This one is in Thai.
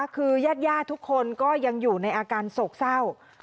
คือญาติทุกคนก็ยังอยู่ในอาการโศกเศร้า